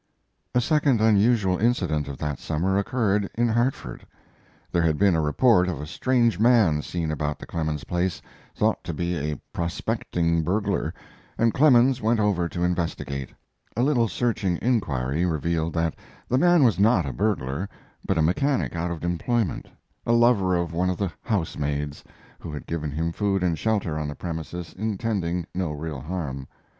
A second unusual incident of that summer occurred in Hartford. There had been a report of a strange man seen about the Clemens place, thought to be a prospecting burglar, and Clemens went over to investigate. A little searching inquiry revealed that the man was not a burglar, but a mechanic out of employment, a lover of one of the house maids, who had given him food and shelter on the premises, intending no real harm.